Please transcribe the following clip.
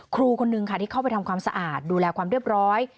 ครูคนนึงค่ะที่เข้าไปทำความสะอาดดูแลความเรียบร้อย